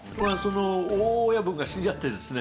大親分が死んじゃってですね